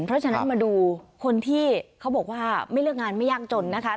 เพราะฉะนั้นมาดูคนที่เขาบอกว่าไม่เลือกงานไม่ยากจนนะคะ